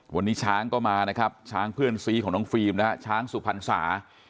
วันนี้ช้างก็มานะครับช้างเพื่อนซีของน้องฟิล์มนะฮะช้างสุพรรษา